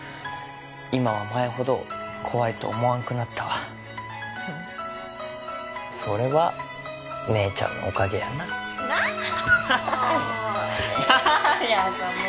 今は前ほど怖いと思わんくなったわそれは姉ちゃんのおかげやな何やもう！